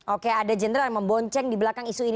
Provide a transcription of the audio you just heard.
oke ada jenderal yang membonteng di belakang isu ini